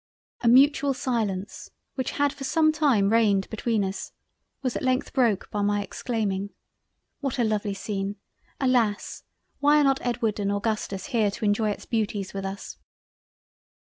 A mutual silence which had for some time reigned between us, was at length broke by my exclaiming—"What a lovely scene! Alas why are not Edward and Augustus here to enjoy its Beauties with us?"